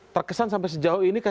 terkesan sampai sejauh ini